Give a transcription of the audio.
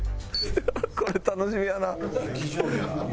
これ楽しみやなあ。